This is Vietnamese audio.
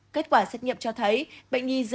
kết quả xét nghiệm cho thấy